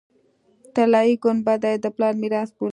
طلایي ګنبده یې د پلار میراث بولي.